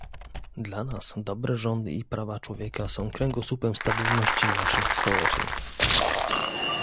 Dla nas dobre rządy i prawa człowieka są kręgosłupem stabilności naszych społeczeństw